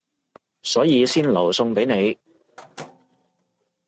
所以先留餸畀你